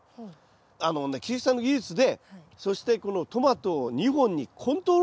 あのね菊地さんの技術でそしてこのトマトを２本にコントロールするってことなんですよ。